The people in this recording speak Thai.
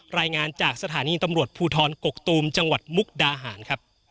รายงานจากสถานีตำรวจภูทรกกตูมจังหวัดมุกดาหารครับ